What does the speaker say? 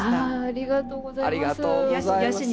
ありがとうございます。